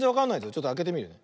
ちょっとあけてみるね。